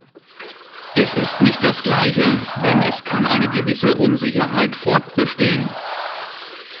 Es ist nicht das Gleiche, denn es kann eine gewisse Unsicherheit fortbestehen.